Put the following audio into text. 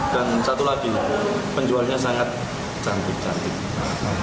dan satu lagi penjualnya sangat cantik cantik